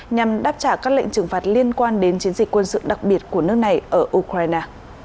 nhằm đáp trả các lệnh trừng phạt liên quan đến chiến dịch quân sự đặc biệt của nước này ở ukraine